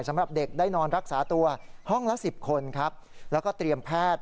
สำหรับเด็กได้นอนรักษาตัวห้องละ๑๐คนครับแล้วก็เตรียมแพทย์